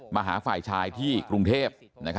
มาหาฝ่ายชายที่กรุงเทพ